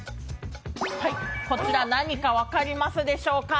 こちら、何か分かりますでしょうか？